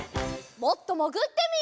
もっともぐってみよう。